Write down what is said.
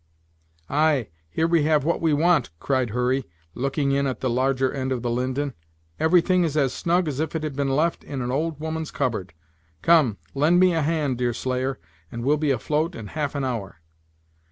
"Ay, here we have what we want," cried Hurry, looking in at the larger end of the linden; "everything is as snug as if it had been left in an old woman's cupboard. Come, lend me a hand, Deerslayer, and we'll be afloat in half an hour."